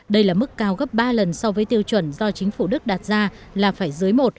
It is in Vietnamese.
đây là mức cao gấp ba lần so với tiêu chuẩn do chính phủ đức đặt ra là phải dưới một